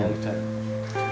gak harus katirin